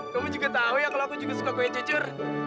kamu juga tahu ya kalau aku juga suka kue cucur